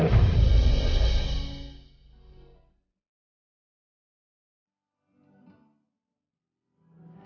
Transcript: aku tau mas